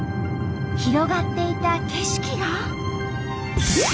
広がっていた景色が。